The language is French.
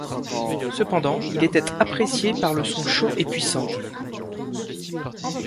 Cependant, il était apprécié pour le son chaud et puissant.